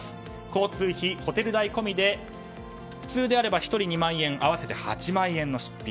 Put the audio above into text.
交通費・ホテル代込みで普通であれば１人２万円合わせて８万円の出費。